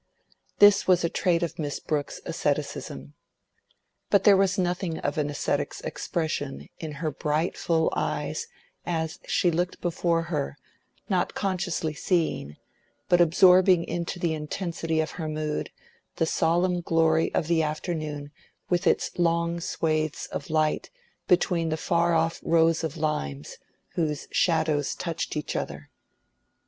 This was a trait of Miss Brooke's asceticism. But there was nothing of an ascetic's expression in her bright full eyes, as she looked before her, not consciously seeing, but absorbing into the intensity of her mood, the solemn glory of the afternoon with its long swathes of light between the far off rows of limes, whose shadows touched each other.